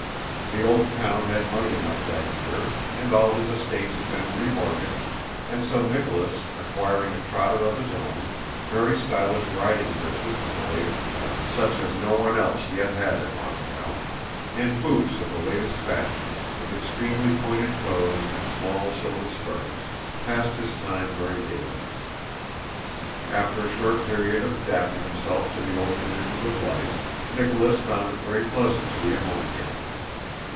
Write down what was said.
The old count had money enough that year, as all his estates had been remortgaged, and so Nicholas, acquiring a trotter of his own, very stylish riding breeches of the latest cut, such as no one else yet had in Moscow, and boots of the latest fashion, with extremely pointed toes and small silver spurs, passed his time very gaily. After a short period of adapting himself to the old conditions of life, Nicholas found it very pleasant to be at home again.